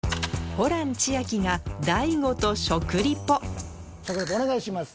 ホラン千秋が食リポお願いします。